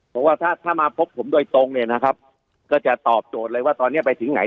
เพราะว่าถ้าถ้ามาพบผมโดยตรงเนี่ยนะครับก็จะตอบโจทย์เลยว่าตอนนี้ไปถึงไหน